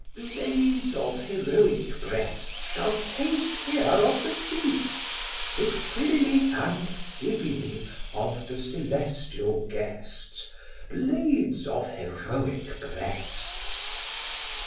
Blades of heroic breasts Shall taste here of the feasts, Both privily And civilly Of the celestial guests, Blades of heroic breasts.